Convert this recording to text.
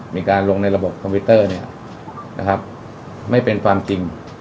มีการลงในระบบคอมพิวเตอร์เนี่ยนะครับไม่เป็นความจริง